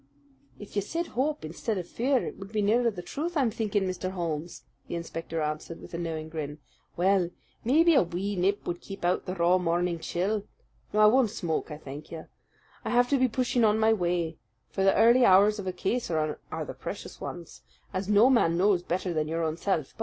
"If you said 'hope' instead of 'fear,' it would be nearer the truth, I'm thinking, Mr. Holmes," the inspector answered, with a knowing grin. "Well, maybe a wee nip would keep out the raw morning chill. No, I won't smoke, I thank you. I'll have to be pushing on my way; for the early hours of a case are the precious ones, as no man knows better than your own self.